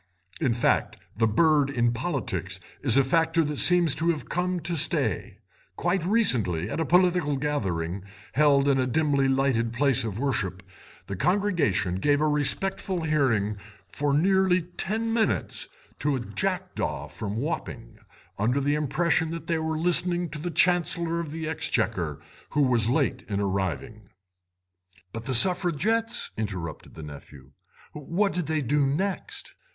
In fact, the bird in politics is a factor that seems to have come to stay; quite recently, at a political gathering held in a dimly lighted place of worship, the congregation gave a respectful hearing for nearly ten minutes to a jackdaw from Wapping, under the impression that they were listening to the Chancellor of the Exchequer, who was late in arriving." "But the Suffragettes," interrupted the nephew; "what did they do next?"